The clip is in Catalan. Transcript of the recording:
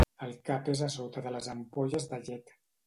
El cap és a sota les ampolles de llet.